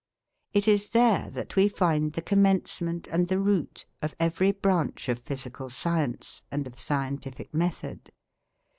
It is there that we find the commencement and the root of every branch of physical science and of scientific method.